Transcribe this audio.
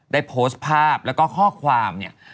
ได้โพสต์ภาพแล้วก็ข้อความเนี่ย